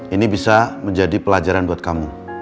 ini bisa menjadi pelajaran buat kamu